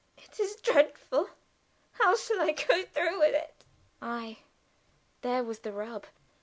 It is dreadful! How shall I go through with it?" Ay, there was the rub!